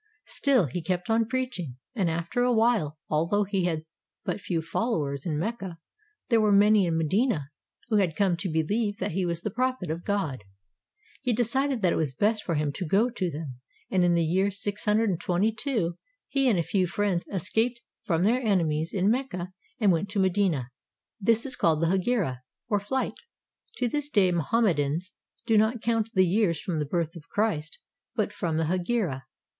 Still he kept on preaching, and after a while, although he had but few followers in Mecca, there were many in Medina who had come to believe that he was the prophet of God. He decided that it was best for him to go to them, and in the year 622 he and a few friends escaped from their enemies in Mecca and went to Medina. This is called the Hegira, or flight. To this day Mohammedans do not count the years from the birth of Christ, but from the Hegira.